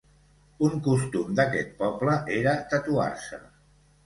Un costum d'aquest poble era tatuar-se.